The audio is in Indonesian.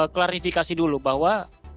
klarifikasi dulu bahwa